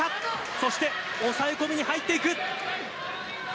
そして抑え込みに入っていく。